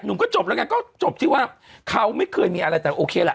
หนุ่มก็จบแล้วก็จบที่ว่าเขาไม่เคยมีอะไรแต่โอเคล่ะ